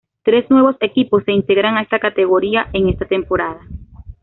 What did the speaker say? Tres nuevos equipos se integran a esta categoría en esta temporada.